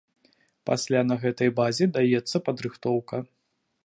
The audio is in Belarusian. Пасля на гэтай базе даецца падрыхтоўка.